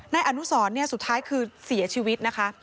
นายอนุสรสุดท้ายคือเสียชีวิตนะคะ